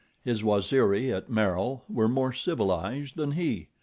His Waziri, at marrow, were more civilized than he.